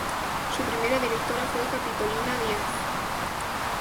Su primera directora fue Capitolina Díaz.